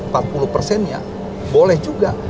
empat puluh persennya boleh juga